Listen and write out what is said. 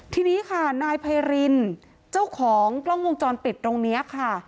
ทีนี้ค่ะนายไพรินเจ้าของกล้องวงจรปิดตรงนี้ค่ะ